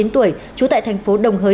hai mươi chín tuổi trú tại thành phố đồng hới